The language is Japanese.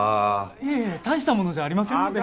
いえいえ大したものじゃありませんので。